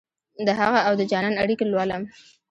دهغه اودجانان اړیکې لولم